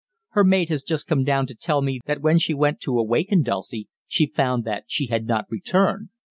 Her maid has just come to tell me that when she went to awaken Dulcie, she found that she had not returned.